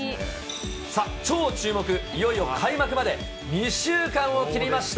さあ、超注目、いよいよ開幕まで２週間を切りました。